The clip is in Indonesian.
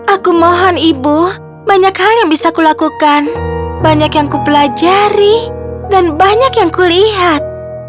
aku mohon ibu banyak hal yang bisa kulakukan banyak yang kupelajari dan banyak yang kulihat